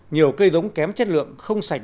nhiều cây giống kém chất lượng không sạch